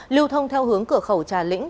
lưu thông theo hướng cửa khẩu trà lĩnh